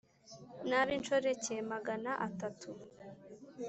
n’ab’inshoreke magana atatu